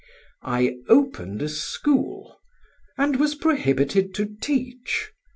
I opened a school, and was prohibited to teach.